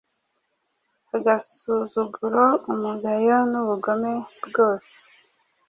Agasuzuguro, umugayo n’ubugome bwose,